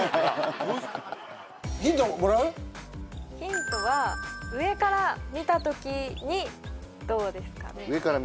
ヒントは上から見た時にどうですかね？